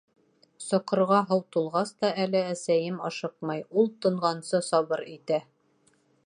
Соҡорға һыу тулғас та әле әсәйем ашыҡмай, ул тонғансы, сабыр итә.